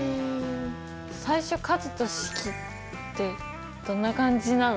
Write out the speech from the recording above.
最初「数と式」ってどんな感じなの？